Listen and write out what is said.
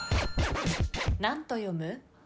何と読む？